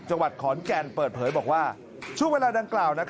จังหวัดขอนแก่นเปิดเผยบอกว่าช่วงเวลาดังกล่าว